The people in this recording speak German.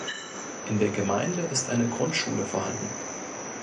In der Gemeinde ist eine Grundschule vorhanden.